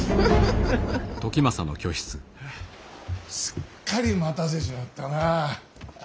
すっかり待たせちまったな。